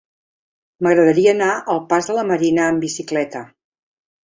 M'agradaria anar al pas de la Marina amb bicicleta.